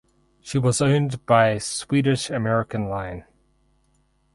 She was owned by Swedish American Line.